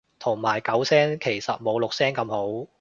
同埋九聲其實冇六聲咁好